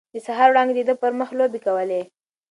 د سهار وړانګې د ده پر مخ لوبې کولې.